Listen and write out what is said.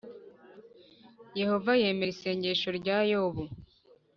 Yehova yemera isengesho rya Yobu